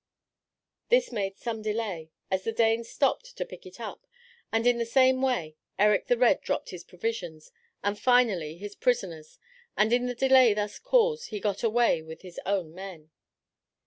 This made some delay, as the Danes stopped to pick it up, and in the same way Erik the Red dropped his provisions, and finally his prisoners; and in the delay thus caused he got away with his own men.